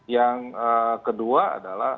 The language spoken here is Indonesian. yang kedua adalah